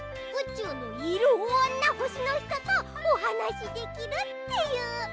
うちゅうのいろんなほしのひととおはなしできるっていう。